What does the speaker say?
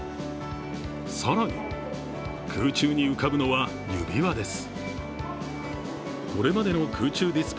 更に、空中に浮かぶのは指輪です。